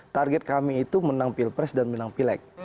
target kami itu menang pilpres dan menang pileg